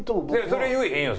それは言えへんよ